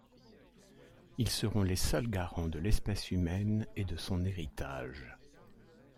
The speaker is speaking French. Ils seront les seuls garants de l'espèce humaine et de son héritage.